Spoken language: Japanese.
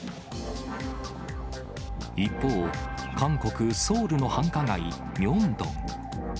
一方、韓国・ソウルの繁華街ミョンドン。